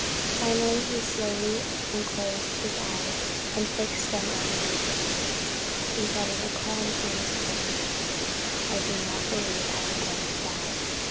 Finally, he slowly unclosed his eyes, and fixing them on me, said in a calm, earnest tone, "I do not believe I am going to die.